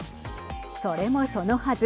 それもそのはず。